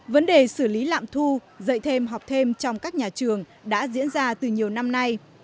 vấn đề xử lý lạm thu dạy thêm học thêm trong các nhà trường đã diễn ra từ nhiều năm nay